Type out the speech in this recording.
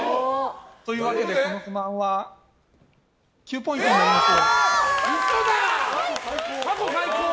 というわけで、この不満は９ポイントになります！